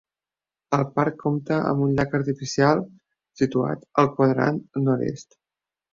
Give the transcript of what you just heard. El parc compta amb un llac artificial, situat al quadrant nord-est.